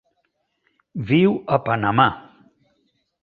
Viu a Panamà.